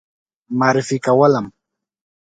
معرفي کولم.